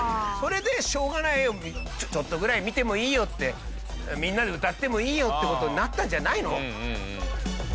それでしょうがないちょっとぐらい見てもいいよってみんなで歌ってもいいよって事になったんじゃないの？